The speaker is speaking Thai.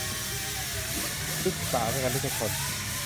คริสตศาสนิกชน